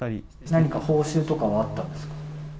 何か報酬とかはあったんですか？